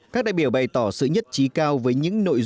các đại biểu bày tỏ sự nhất trí cao với những nội dung